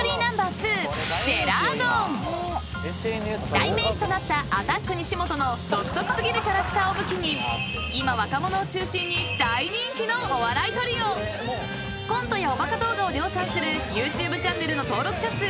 ［代名詞となったアタック西本の独特過ぎるキャラクターを武器に今若者を中心に大人気のお笑いトリオ］［コントやおバカ動画を量産する］